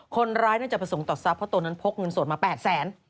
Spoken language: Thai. คนร้ายน่าจะประสงค์ต่อทรัพย์เพราะตนนั้นพกเงินสดมา๘แสน